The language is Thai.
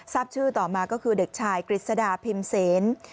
ทราบชื่อต่อมาก็คือเด็กชายกฤษดาพิมพ์เซน